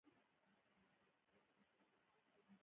سیلابونه د افغان ماشومانو د لوبو یوه جالبه موضوع ده.